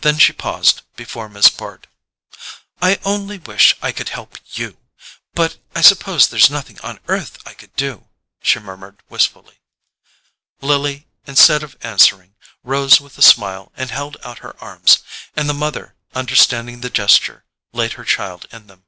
Then she paused before Miss Bart. "I only wish I could help YOU—but I suppose there's nothing on earth I could do," she murmured wistfully. Lily, instead of answering, rose with a smile and held out her arms; and the mother, understanding the gesture, laid her child in them.